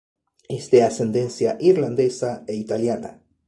Es de ascendencia irlandesa e italiana.